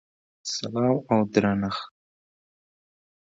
سلام او درنښت!!!